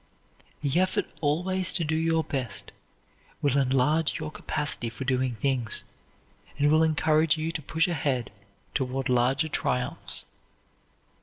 The effort always to do your best will enlarge your capacity for doing things, and will encourage you to push ahead toward larger triumphs.